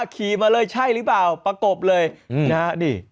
ขี่มาเลยใช่หรือเปล่าประกบเลยนะฮะนี่